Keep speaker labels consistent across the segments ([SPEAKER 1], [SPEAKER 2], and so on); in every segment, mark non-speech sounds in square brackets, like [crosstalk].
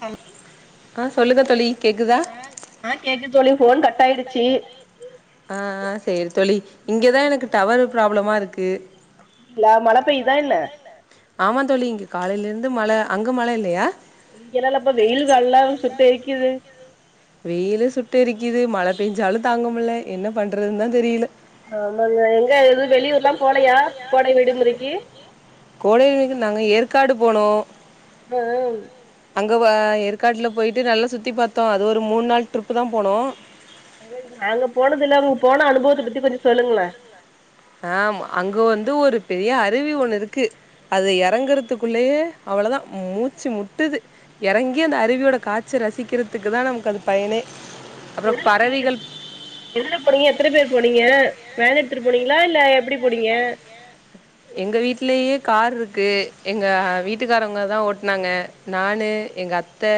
[SPEAKER 1] Hello
[SPEAKER 2] ஆ சொல்லுங்க தோளி கேக்குதா ஆ கேக்குது தோளி போன் கட்டாயிருச்சி ஆ செரி தோளி இங்க தா எனக்கு டவரு ப்ராப்ளமாக இருக்கு ய மழ பெய்யிதா என்ன ஆமா தோளி இங்க காலையில இருந்து து மல அங்க மழ இல்லையா
[SPEAKER 1] இங்கங்கல்லா ப்ப வெயில்கள்ளா சு செய்க்குது
[SPEAKER 2] வெயிலு சுட்டேரிக்குது மழ பெயஞ்சாலு தாங்க முடில என்ன பண்றதுன்னு தா தெரியல
[SPEAKER 1] போலையா கோடை விடுமுறைக்கு
[SPEAKER 2] கோடை நாங்க ஏற்க காடுப்போணோ
[SPEAKER 1] ம் ம்
[SPEAKER 2] அங்க வ ஏற்காட்டில போயிட்டு நல்லா சுத்தி பாத்தோ அது ஒரு மூணு நாள் ட்ரிப்பு தா போனோ
[SPEAKER 1] நாங்க போனது இல்ல அவங்க போன அனுபவத்து தி கொஞ்சுசொல்லுங்களே
[SPEAKER 2] ஆ ஆம் அங்க வந்து ஒரு பெரிய அருவி ஒண்ணு இருக்கு அத எறங்குறதுக்குள்ளேயே அவ்வளவுதான் மூச்சு முட்டுது இறங்கி அந்த அருவியோட காய்ச்சல் ரசிக்கிறதுக்கு தான் நமக்கு அது பயனே
[SPEAKER 1] எதுல போனீங்க எதுல போனீங்க எத்தனை பேர் போனீங்க வேணு எடுத்துட்டு போனீங்களா இல்ல எப்படி போனீங்க
[SPEAKER 2] எங்க வீட்லேயே கார் இருக்கு எங்க வீட்டுக்காரங்க தான் ஓட்டுனாங்க நானு எங்க அத்தை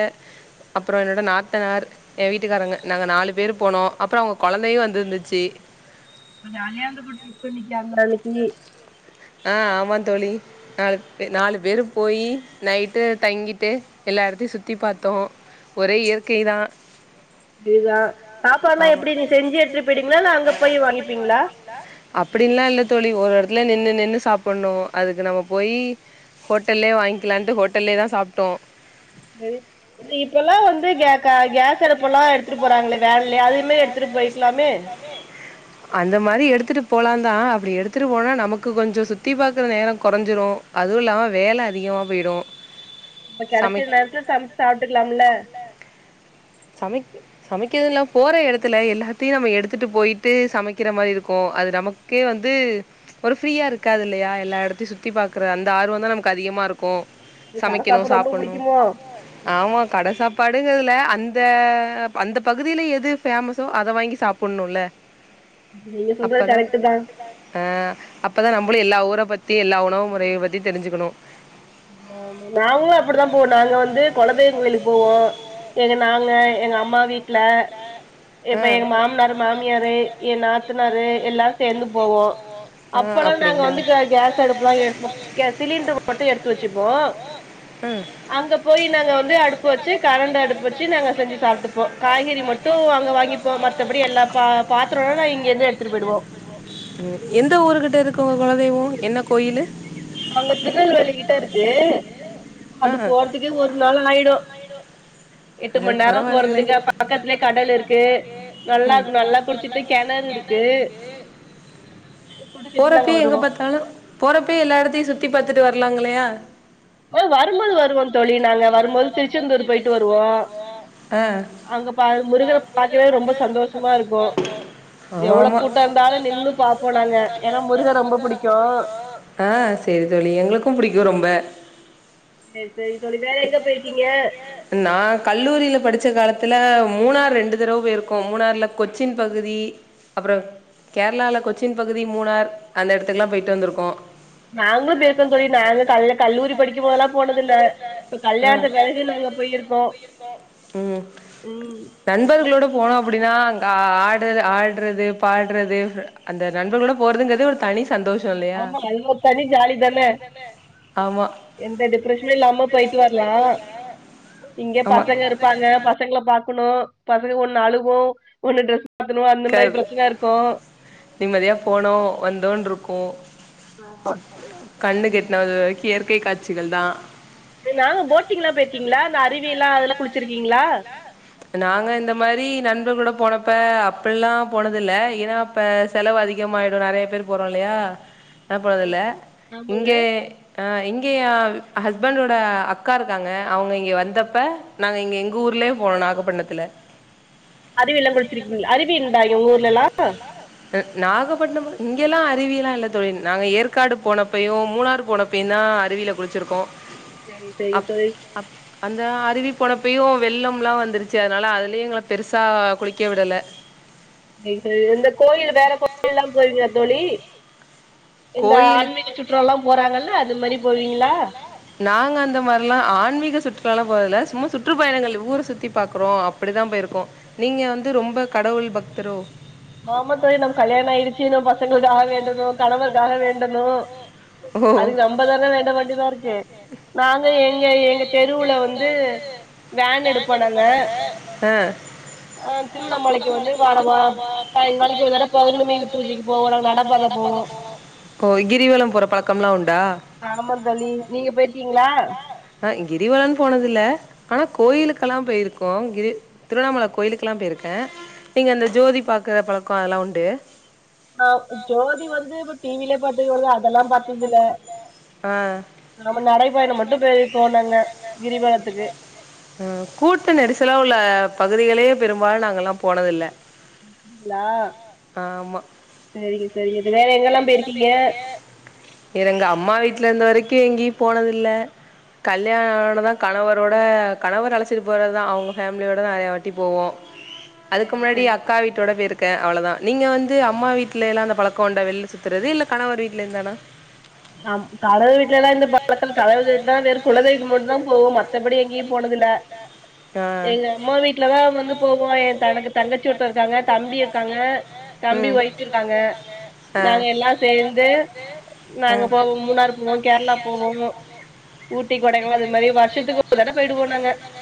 [SPEAKER 2] அப்புறம் என்னோட நாத்தனார் என் வீட்டுக்காரங்க நாங்க நாலு பேரு போனோம் அப்புறம் அவங்க குழந்தையும் வந்திருந்துச்சு
[SPEAKER 1] அப்போ ஜாலியா இருந்திருக்கு ட்ரிப் [unintelligible]
[SPEAKER 2] ஆ ஆமா தோழி நாலு நாலு பேரும் போயி நைட்டு தங்கிட்டு எல்லா எடத்தையும் சுத்தி பாத்தோம் ஒரே இயற்கை தான்
[SPEAKER 1] [unintelligible]
[SPEAKER 2] ஆ அப்படின்ல்லாம் இல்ல தோழி ஒரு எடத்து இல நின்னு நின்னு சாப்பிட்ணும் அதுக்கு நம்ம போய் ஹோட்டல்லே வாங்கிக்கலான்ட்டு ஹோட்டல்லே தான் சாப்ட்டோம்
[SPEAKER 1] சரி இப்பெல்லாம் வந்து க கே ஸ் அடுப்பெல்லாம் எத்துட்டு போறாங்களே வேன் லேயே அதமே எத்துட்டு போயிக்கலாமே
[SPEAKER 2] அந்த மாரி எடுத்துட்டு போலாம் தான் அப்படி எடுத்துட்டு போனா நமக்கு கொஞ்சம் சுத்தி பாக்குற நேரம் குறைஞ்சிடும் அதுவும் இல்லாம வேலை அதிகமா போயிடும்
[SPEAKER 1] இப்ப கிடைச்சிய நேரத்துல சமைச்சி சாப்பிட்டுக்கலாம்ல
[SPEAKER 2] சமை சமைக்கிறதுலாம் போற இடத்துல எல்லாத்தையும் நம்ம எடுத்துகிட்டு போய்டட்டு சமைக்கிற மாதிரி இருக்கும் அது நமக்கே வந்து ஒரு ஃப்ரீயாக இருக்காது இல்லையா எல்லா இடத்தையும் சுற்றி பார்க்கற அந்த ஆர்வம் தான் நமக்கு அதிகமாக இருக்கும் சமைக்கணும் சாப்டணும் ஆமா கடை சாப்பாடு இருங்கதுல அந்த அந்த அந்த பகுதியில எது பேஃேமஸோ அத வாங்கி சாப்டணும்ல அப்பதான் ஆ அப்பதான் நம்மளும் எல்லா ஊர பத் தி எல்லா உணவு முறைய பத்தி தெரிஞ்சுக்குணு
[SPEAKER 1] நாங்களும் அப்படித்தா போவோ நாங்க வந்து குலதெய்வம் கோயிலுக்கு போவோ எங்க நாங்க எங்க அம்மா வீட்டு்ல இப்ப எங்க மாமனாரு மாமியாரு என் நாத்தனாரு எல்லா சேர்ந்து போவோ அப்ப எல்லா நாங்க வந்து கேஸ் அடுப்புதா எடுப்போ சிலிண்டர் மட்டு எடுத்து வச்சுப்போ அங்க போய் நாங்க வந்து அடுப்பு வச்சு கரண்ட அடுப்பு வச்சு நாங்க செஞ்சு சாப்பிட்டுப்போ காய்கறி மட்டும்ங்க வாங்கிப்போ மத்தபடி எல்லா பாத்ரம் இங்க இருந்து எடுத்துட்டு போயிடுவோ
[SPEAKER 2] என்ன கோயிலு
[SPEAKER 1] அங்க திருநெல்வேலி கிட்ட இருக்கு அது போறதுக்கே ஒரு நாள் ஆயிடும் எட்டு மணி நேரம் போறதுகே
[SPEAKER 2] போறப்ப எங்க பத்தாலும் போறப்பே எல்ல எ இடத்தையும் சுத்தி பாத்துட்டு வரலாங்களையா
[SPEAKER 1] வரும்போது வருவோ தோழி நாங்க வரும்போது திருச்செந்தூர் போயிட்டு வருவோ அங்க
[SPEAKER 2] ஆமா ஆமா சரி தோழி எங்களுக்கு புடிக்கு ரொம்ப நான் கல்லூரியில படிச்ச காலத்து தில மூணார் ரெண்டு தடவ போயிருக்கோ மூணார்ல கொச்சின் பகுதி அப்புறம் கேரளால கொச்சின் பகுதி மூணார் அந்த இடத்துக்குல்லா போயிட்டு வந்திருக்கோ
[SPEAKER 1] நாங்களு பேருக்கோ தோழி நாங்க கல்லூரி படிக்கு போதெல்லா போனத இல்ல இப்ப கல்யாணத்து பிறகு நாங்க போயிருக்கோ உம்
[SPEAKER 2] நண்பர்களோட போன அப்படி ஆடுற ஆடுறது பாடுறது அந்த நண்பர்கள கூட போறதுங்கிறது ஒரு தனி
[SPEAKER 1] ஆமா இது ஒரு தனி ஜாலி தான எந்த டிப்ரஷனு இல்லாம போயிட்டு வரலா இங்க பசங்க இருப்பாங்க பசங்கல பா பாசங்க ஒன்னு அழகும் ஒன்னு ட்ரெஸ்
[SPEAKER 2] க்கது நீமதியா போனோ வந்தோன்ன ரூ கோ [inaudible] கண்ணு கெட்னது வரைக்கு இயற்கை காட்சிகள் தா
[SPEAKER 1] நாங்க போட்டிங்லா போயிற்கீங்ளா இந்த அறுவில் ல அதுல குளிச்சிருக்கீங்ளா
[SPEAKER 2] நாங்க இந்த மாரி நண்பர்குளோட போனப்ப அப்பில்லா போனதுல்ல ஏனா அப்ப செலவு அதிகமாயிடு நறைய பேர் போறோல்லையா நா போனதுல்ல இங்கே அ இங்க ஏன் ஹஸ்பண்டோட அக்கா இருக்காங்க அவுங்க இங்க வந்தப்ப நாங்க இங்க எங்க ஊர்லே போனோ நா [unintelligible]
[SPEAKER 1] அருவில்ல குளிச்சிருக்கீங்களா அருவி இந்தா எங்க ஊர்லெல்லா
[SPEAKER 2] நாகப்பட்னம் இங்கெல்லா அருவியலாம் இல்ல தோழி நாங்க ஏற்காடு போனப்பையும் மூணார் போனப்பையுந்தான் அருவியில குளிச்சிருக்கோம்
[SPEAKER 1] சரி சய தோழி
[SPEAKER 2] அந்த அருவி போனப்பயையும் வெள்ளம்ல்லாம் வந்துருச்சு அதனால அதுலயே எங்கள பெருசா குளிக்க விடல
[SPEAKER 1] இந்த கோயில் வேற கோயில் எல்லாம் போவீங்கலா தோழி இந்த ஆன்மீக சுற்றெல்லாம் போறாங்கல்ல அந்த மாரி போவீங்களா
[SPEAKER 2] சுன்றெல்லா போகல சும்மா சுற்றுப்பயணங்கள் ஊர சுத்தி பாக்கறோம் அப்டிதான் போயிருக்கோம் நீங்க வந்து ரொம்ப கடவுள் பக்தரோ
[SPEAKER 1] ஆமா தோழி நமக்கு கல்யாணம் ஆயிடுச்சு இன்னி பசங்களுக்காக வேண்டனும் கணவர்
[SPEAKER 2] க்க வேண்டனும் ஓ அதுக்கு நம்ம தான வேண்ட வேண்டிதா இருக்கு நாங்க எங்க எங்க தெருவுல வந்து வேன் எடுப்போ நாங்க ஆ திருவண்ணாமலைக்கு வந்து வார வா
[SPEAKER 1] பாஞ்சுநாளைக்கு ஒரு தடவ பௌர்ணமி பூஜைக்கு போவோ நாங்க நடப்பாத போவோ
[SPEAKER 2] ஓ கிரிவலம் போற பழக்கம்ல்லாம் உண்டா ஆமாந்தோழி நீங்க போயிருக்கீங்களா ஆ கிரிவலம்ன்னு போனதில்ல ஆனா கோயிலுக்கெல்லாம் போயிருக்கோம் கிரி திருவண்ணாமலை கோயிலுக்கெல்லாம் போயிருக்கேன் இங்க அந்த ஜோதி பார்க்கற பழக்கம் அதெல்லாம் உண்டு
[SPEAKER 1] ஆ ஜோதி வந்து ப டிவிலயே பாத்துக்கிறதான் அதெல்லா பாத்ததில்ல நாம நடை பயணம் மட்டும் போயிருக்கோம் நாங்க கிரிவலத்துக்கு
[SPEAKER 2] பகுதிகளே பெரும்பாலும் நாங்கல்லாம் போனதில்ல
[SPEAKER 1] அப்டிங்களா சேரிங்க சேரிங்க இது வேற எங்கல்லா
[SPEAKER 2] இது எங்க அம்மா வீட்லருந்த வரைக் கு எங்கியு போனதில்ல கல்யாணோ ஆனொன்னதா கணவரோட கணவர் அழச்சிட்டு போறத் தா அவங்க ஃபேம்லியோட தா நெறய வாட்டி போவோ அதுக்கு முன்னாடி அக்கா வீட்டோட போயிர் கே அவ்வளதா நீங்க வந்து அம்மா வீட்ல எல்லா அந்த பழக்கோ உண்டா வெள்ல சுத் தறது இல்ல கணவர் வீட்ல இருந்தானா ஆ கணவர் வீட்லல்லா இந்த பழக் இல் கணவர் வீட்லா வெறு குலதெய்வ கும்புட் தா போவோ மத்தபடி எங்கியு போனதில்ல ஆ எங்க அம்மா வீட்ல தா வந்து போவோ எ தனக்கு தங்கச்சி ஒருத்தங் இருக்காங்க தம்பி இருக்காங்க ம் தம்பி வெய்ஃப் இருக்காங்க ஆ எல்லா சேந்து அ நாங்க போவோ மூணாரு போவோ கேரளா போவோ ஊட்டி, கொடைக்கானல் அது மாரி வர்ஷத்துக்கு ஒரு தடவ் போயிடுவோ நாங்க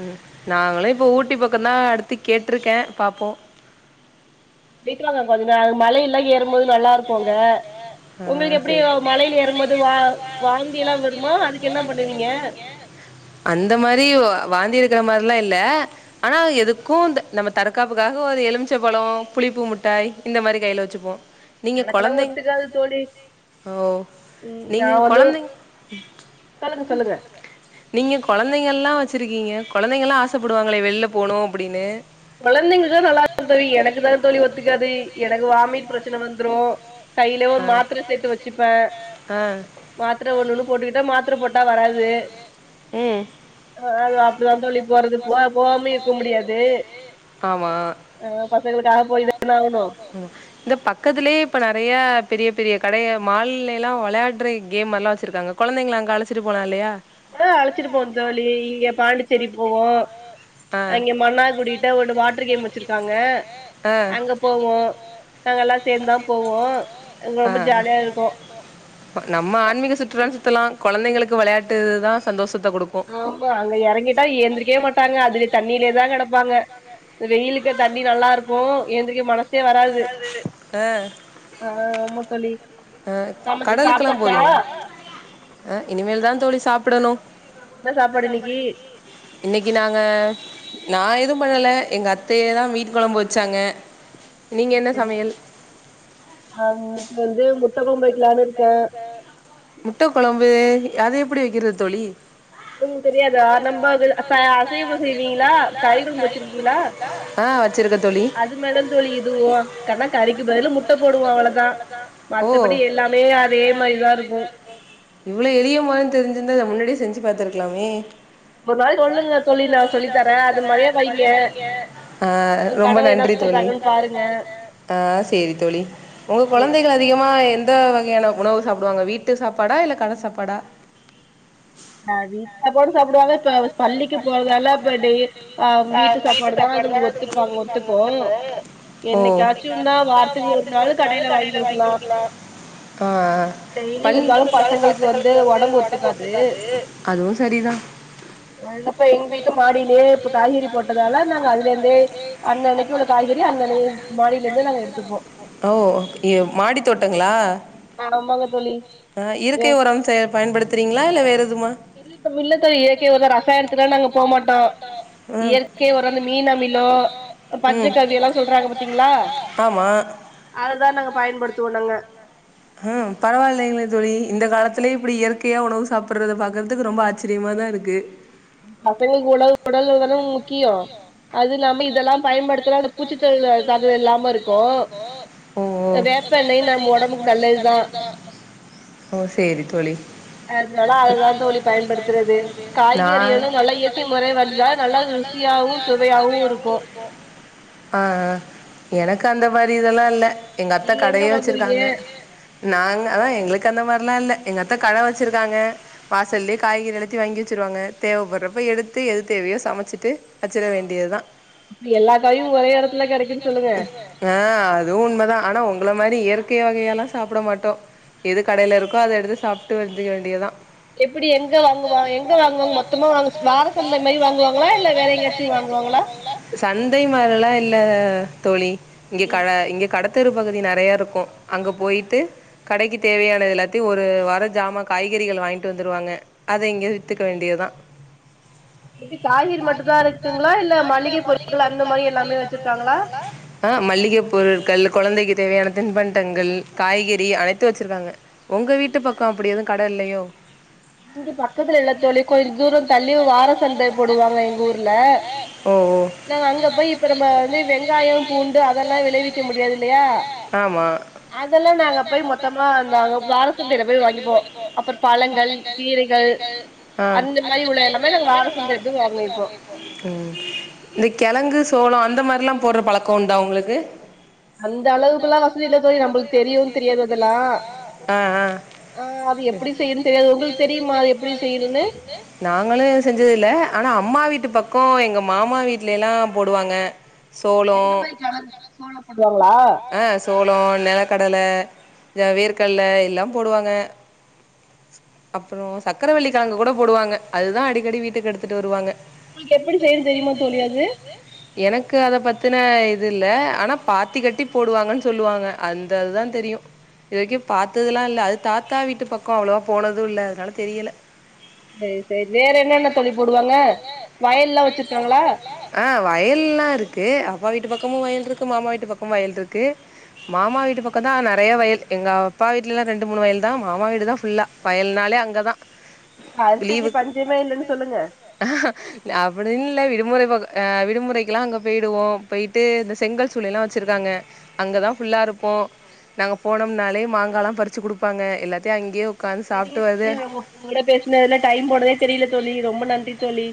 [SPEAKER 2] ம் நாங்கல்லா இப்போ ஊட்டி ப க்கந்தா அடுத்து கேட்ருக்கே பாப்போ
[SPEAKER 1] போய்ட்டுவாங்க கொஞ்ச அத் மலையெல்லா ஏறும்போது நல்லாருக் குங்க உங்கள்க் எப்டி அ மலைல ஏறும்போது வா வாந்தி எல்லா வருமா அதுக்கு என்ன பண்ணுவீங்க
[SPEAKER 2] ந்தி எடுக்கற மார்ல்லா இல்ல ஆனா எதுக்கு அந்த நம்ம தற்காப்புக்காக ஒரு எலும்ச்ச பழோ, புளிப்பு முட்டாய் இந்த மாரி கைல வச்சுப்போ நீங்க கொழந்தைங்க ஓ நீங்க கொழந்தைங் நீங்க கொழந்தைங்கல்லா வ ச்சிருக்கீங்க கொழந்தைங்கல்லா ஆசப்படுவாங்களே வெள்ல போனு அப்படினு
[SPEAKER 1] கொழந்தைங்க தா நல்லா [inaudible] தோழி எனக்கு தா தோழி ஒத்துக்காது எனக்கு வாமிட் பிரச்சன வந்துரு கைலே ஒரு மாத்திர செட்டு வச்சிப்பே மாத்திர ஒன்னொன்னு போட்டுக்கிட்டா மாத்திர போட்டா வராது அ அது அப்டிதா தோழி போறது போ போவாமயு இருக்க முடியாது
[SPEAKER 2] ஆமா இந்த பக்கத்திலே இப்ப நெறய ஏ பெரிய பெரிய கடைய மால்லெல்லா வெளையாட்ற கேம்மல்லா வெச்சிருக்காங்க கொழந்தைங்கள அங்க அழச்சிட்டு போலா இல்லயா
[SPEAKER 1] அ அழச்சிட்டு போவே தோழி இங்க
[SPEAKER 2] பாண்டிச்சேரி போவோ அ அங்க மன்னார்குடிட்ட ஒன்னு வாட்டர் கேம் வெச்சிருக்காங்க ஆ அங்க போவோ ஆ ப நம்ம ஆன்மீக சுற்றுலா சுத்தலா கொழந்தைங்களுக்கு வெளையாட்டு தா சந்தோஷ
[SPEAKER 1] ஆமா அங்க எறங்கிட்டா எந்திரிக்கவே மாட்டாங்க அதுல தண்ணிலே தா கெடப்பாங்க வெயிலுக்கு தண்ணி நல்லாருக்கு எந்திரிக்க மன சே வராது ஆ ஆமா தோழி
[SPEAKER 2] அ கடலுக்கெல்லா போவீங்களா அ இனிமேல் தா தோழி சாப் பிடனு இன்னைக்கு நாங்க நா எது பண்ணல எங்கத்தையே தா வீட்டு கொழம்பு வச்சாங்க
[SPEAKER 1] ரி செரி நா இன்னிக்கு வந்து மு ட்ட கொழம்பு வெ
[SPEAKER 2] முட்ட கொழம்பு அது எ ப்படி வெக்கிறது தோழி
[SPEAKER 1] இது உங்ளுக் தெரியாதா நம்ப அதுல ச அசைவோ செய்வீங்ளா கறி கொழம்பு வெச்சிருக்கீங்களா அது மேலந் தோழி இதுவு கன்னா கறிக்கு பதிலு முட்ட போடுவோ அவ்ளதா மத்தபடி எல்லா
[SPEAKER 2] இவ்ள எளிய முறைன் தெரிஞ்சிருந்தா இத மு ன்னாடியே செஞ்சு பாத்துருக்லாமே அ ரொம்ப நன்றி தோழி அ சேரி தோழி உங்க கொழந்தைகள் அதிகமா எ ந்த வகையான உணவு சாப்டுவாங்க வீட்டு சாப்பாடா இல்ல கட சாப்பாடா
[SPEAKER 1] அ வீட்டு சாப்பாடு சாப்டுவாங்க இப்ப ஸ் பள்ளிக்கு போறதால இப்ப டெய் அ வீட்டு சாப்பாடுதா அதுங்குளு ஒத்துப்பாங் ஒத்துக்கு என்னைக்காச்சுந்தா வாரத்துக்கு ஒரு நாளு கடையில வாய்ங்குடுக்லா
[SPEAKER 2] [unintelligible] குடுத்தாலு பசங்களுக்கு வந்து ஒடம்பு ஒத்துக்காது அ இப்ப எங் வீட்டு மாடியிலியே இப்ப காய்கறி போட்டதால நாங்க அதுல இந்தே அன்ன அன்னைக்கி உள்ள காய்கறி அன்னனை மாடியிலந்தே நாங்க எடுத்துப்போ அ
[SPEAKER 1] அ ஆமாங்க தோழி எ இல் இல்ல தோழி இயற்கை உரதா ரசாயனத்துக்கள்லா நாங்க போ மாட்டோ இயற்கை உரொ இந்த மீன் அமிலோ பஞ்சக்கவ்யெல்லா சொல்றாங்க பாத்தீங்ளா அததா நாங்க பயன்படுத்துவோ நா
[SPEAKER 2] தொடல உம் பரவாயில்லைங்ளே தோழி இந்த காலத்திலியு இப்டி இயற்கையா உணவு சாப்பட்றத பாக்கறதுக்கு ரொம்ப ஆச்சரியமா தாருக்கு
[SPEAKER 1] பசங்களுக்கு உடல் உடல் நலந்தான முக்கியோ
[SPEAKER 2] அது இல்லாம இதெல்லாம் பயன்படுத்தனா அந்த பூச்சித்தொல்ல தாக்குதல் இல்லாமருக்கு அ வேப்ப எண்ணெயு நம் ஒடம்புக்கு நல்லதுதா அதனால அததா தோழி பயன்படுத்துறது
[SPEAKER 1] எரியனு நல்ல இயற்கை முறை வச்சா நல்லா ருசியாவு சுவை
[SPEAKER 2] சுவையாவு இருக்கு து இதெல்லா இல்ல எங்க அத்த கடையே வெச்சிருக்காங்க நாங் அதா எங்குளுக்கு அந்த மார்லா இல்ல எங்க அத்த கட வெச்சிருக்காங்க வாசல்லே காய்கறி எல்லாத்தியு வாங்கி வெச்சிருவாங்க தேவைப்பட்றப்ப எடுத்து எது தேவையோ சமச்சிட்டு வச்சிற வேண் டியதா எல்லா காயு ஒரே எடத்துல கெடைக்குன் சொல்லுங்க உங்கள மாரி இயற்கை வகை எல்லா சாப்ட மாட்டோ எது கடையில இருக்கோ அத எடுத்து சாப்ட்டு வஜ்ஜிக்க வேண்டியதா
[SPEAKER 1] எப்பிடி எங்க வாங்குவா எங்க வாங்குவாங் மொத்தமா வாங் வார சந்தை மாரி வாங்குவாங்களா இல்ல வேற எங்யாச்சி வாங்
[SPEAKER 2] சந்தை மாரி எல்லா இல்ல அ தோழி இங்க கட இங்க கட தெரு பகுதி நறையா இருக்கு அங்க போயிட்டு கடைக்கு தேவையானது எல்லாத்தியு ஒரு வார ஜாமா காய்கறிகள் வாய்ங்ட்டு வந்துருவாங்க அத இங்க வித்துக்க வேண்டியதா
[SPEAKER 1] இது காய்கறி மட்டு தா இருக்குங்ளா
[SPEAKER 2] ஆ மள்ளிகை பொருட்கள் கொழந்தைக்கு தேவையான தின்பண்டங்கள் காய்கறி அனைத்து வச்சிருக்காங்க உங்க வீட்டு பக்கோ அப்படி எது கட இல்லையோ
[SPEAKER 1] இங்க பக்கத்தல இல்லதோழி கொஞ் தூரோ தள்ளி வார சந்தை போடுவாங்க எங்க ஊர்ல நாங்க அங்க போய் இப்ப நம்ம வந்து வெங்காயோ பூண்டு அதெல்லா விளைவிக்க முடியாது இல்லையா அதெல்லா நாங்க போய் மொத்தமா நாங்க வாரசந்தைல போய் வாங்கிப்போ அப்பற் பழங்கள் கீரைகள் அந்த மாரி உள்ள எல்லாமே நாங்க வார சந்தைல போய் வாங்குவோ இப்போ
[SPEAKER 2] ம் இந்த கெழங்கு சோளோ அந்த மாரிலா போட்ற பழக்கோ உண்டா உங்குளுக்கு அந்த அளவுக்குலா வசதி இல்ல தோழி நம்பள்க் தெரியிவு தெரியாது அதெல்லா அ அ ஆ அது எப்படி செய்றதுன் தெரியாது உங்குளுக் தெரியுமா அது எப்படி செய்யணுனு நாங்களே செஞ்சதில்ல ஆனா அம்மா வீட்டு பக் கோ எங்க மாமா வீட்லெல்லா போடுவாங்க சோளோ ஆ சோள நெலக்கடல இந்த வேர்கல்ல எல்லாம் போடுவாங்க அப்புறோ சக்கரவள்ளிக்கெழங்கு கூட போடுவாங்க அதுதா அடிக்கடி வீட்டுக்கு எடுத்துட்டு வருவாங்க
[SPEAKER 1] உங்குளுக் எப்படி செய் [unintelligible] தெரிமா தோழி அது
[SPEAKER 2] எனக்கு அத பத்தின இது இல்ல ஆனா பாத்தி கட்டி போடுவாங்கன் சொல்லுவாங்க அந்த அதான் தெரியு இது வரைக்கு பாத்ததுலா இல்ல அது தாத்தா வீட்டு பக்கோ அவ்ளோவா போனது இல்ல அதனால தெரியல
[SPEAKER 1] செர் செரி வேற என்னென்ன தோழி போடுவாங்க வயல்
[SPEAKER 2] வயல்லா வச்சிருக்காங்களா? ஆ வயல்லா இருக்கு அப்பா வீட்டு பக்கமு வயல்ருக்கு மாமா வீட்டு பக்கும் வயல்ருக்கு மாமா வீட்டு பக்கந்தா நெறைய வயல் எங்க அப்பா வீட்லலா ரெண்டு மூணு வயல் தா மாமா வீட்டு தா ஃபுல்லா வயல்னாலே அங்க தா
[SPEAKER 1] அரிசிக்கி பஞ்சமே இல்லனு சொல்லுங்க
[SPEAKER 2] இல்லை விடுமுறை பக் அ விடுமுறைக்கெல்லா அங்கே போய்டுவோ போய்ட்டு இந்த செங்கல் சூளைல்லா வச்சிருக்காங்க அங்கதா ஃபுல்லா இருப்போ நாங்க போனம்னாலே மாங்கால்லா பறிச்சு குடுப்பாங்க எல்லாத்யோ அங்யே
[SPEAKER 1] செரிங்க தோழி உங்க கூட பேசுனதுல டைம் போனதே தெரியில தோழி ரொம்ப நன்றி தோழி